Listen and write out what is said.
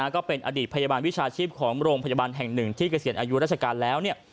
ก็เป็นอดีตพยาบาลวิชาชีพของโรงพยาบาลแห่งหนึ่งที่เกษียณอายุราชการแล้ว